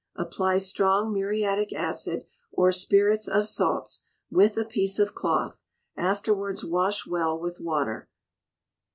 Apply strong muriatic acid, or spirits of salts, with a piece of cloth; afterwards wash well with water.